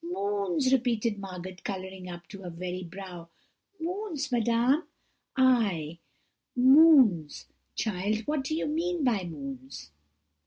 "'Moons!' repeated Margot, colouring up to her very brow, 'moons, madame?' "'Ay, moons, child. What do you mean by moons?'